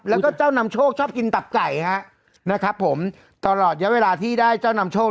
แล้วก็เจ้านำโชคชอบกินตับไก่ฮะนะครับผมตลอดเยอะเวลาที่ได้เจ้านำโชค